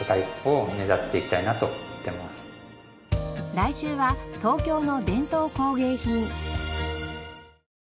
来週は東京の伝統工芸品。